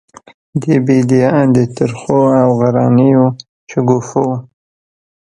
د بیدیا د ترخو او غرنیو شګوفو،